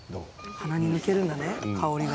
鼻に抜けるんだね香りが。